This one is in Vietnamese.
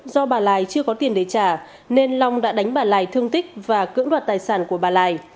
do bà lài chưa có tiền để trả nên long đã đánh bà lài thương tích và cưỡng đoạt tài sản của bà lài